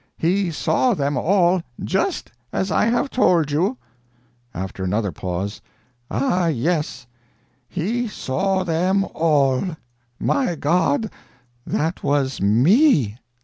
He saw them all, just as I have told you." After another pause: "Ah, yes, he saw them all. My God, that was ME.